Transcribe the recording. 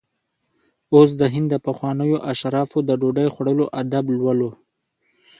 اوس د هند د پخوانیو اشرافو د ډوډۍ خوړلو آداب لولو.